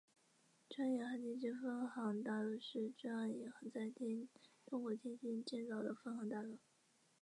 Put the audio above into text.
中央银行天津分行大楼是中央银行在中国天津建造的分行大楼。